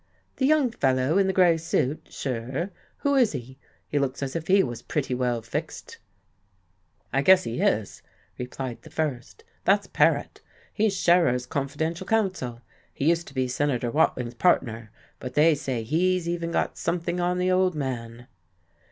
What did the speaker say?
"The young fellow in the grey suit? Sure. Who is he? He looks as if he was pretty well fixed." "I guess he is," replied the first. "That's Paret. He's Scherer's confidential counsel. He used to be Senator Watling's partner, but they say he's even got something on the old man."